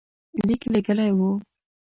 لیک لېږلی وو.